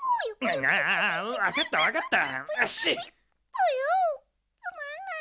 ポヨつまんない。